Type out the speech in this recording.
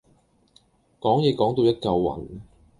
講野講到一嚿雲